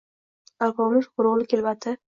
Alpomish Go’ro’g’li kelbati